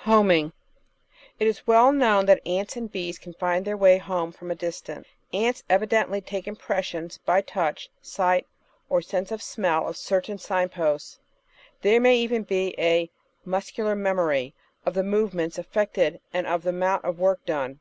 ^ Homing It is well known that ants and bees can find their way home from a distance. Ants evidently take impressions, by touch, sight, or sense of smell, of certain signposts. There may even be a "muscular memory" of the movements effected and of the amount of work done.